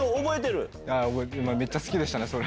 めっちゃ好きでしたね、それ。